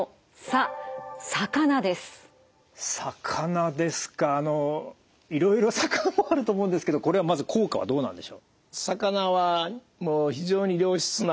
あのいろいろ魚もあると思うんですけどこれはまず効果はどうなんでしょう？